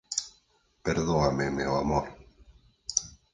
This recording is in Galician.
Perdóame, meu amor.